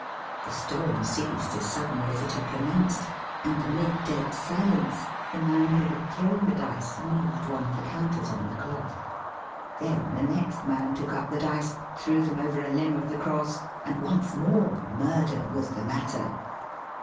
The storm ceased as suddenly as it had commenced, and a,mid dead silence the man who had thrown the dice moved one of the counters on the <3loth. Then the next man took up the dice, threw them over a Hmb of the cross, and once more murder was the matter.